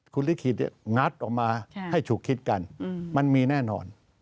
คุณลิขิตงัดออกมาให้ฉุกคิดกันมันมีแน่นอน